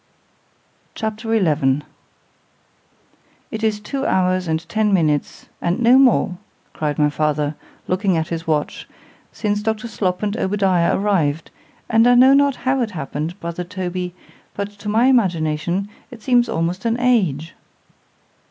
C H A P. XI IT is two hours, and ten minutes—and no more—cried my father, looking at his watch, since Dr. Slop and Obadiah arrived—and I know not how it happens, Brother Toby—but to my imagination it seems almost an age.